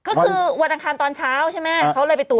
ก็คือวันอังคารตอนเช้าใช่ไหมเขาเลยไปตรวจ